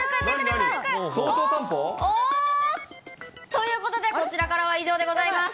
ということで、こちらからは以上でございます。